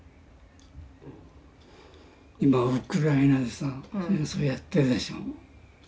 今ウクライナでさ戦争やってるでしょ。